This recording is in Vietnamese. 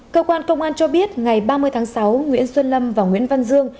cơ quan công an cho biết ngày ba mươi tháng sáu nguyễn xuân lâm và nguyễn văn dương